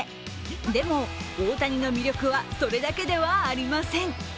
でも、大谷の魅力はそれだけではありません。